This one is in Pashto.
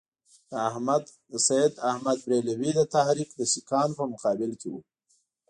د سید احمدبرېلوي تحریک د سیکهانو په مقابل کې وو.